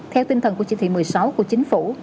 theo tinh thần của chỉ thị một mươi sáu của chính phủ